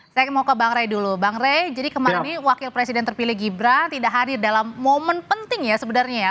saya mau ke bang ray dulu bang rey jadi kemarin ini wakil presiden terpilih gibran tidak hadir dalam momen penting ya sebenarnya ya